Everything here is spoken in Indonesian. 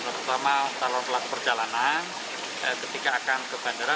terutama calon pelaku perjalanan ketika akan ke bandara